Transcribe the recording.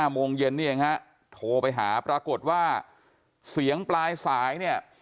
โมงเย็นนี่เองฮะโทรไปหาปรากฏว่าเสียงปลายสายเนี่ย